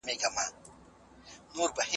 عام المنفعه ځایونه مه خرابوئ.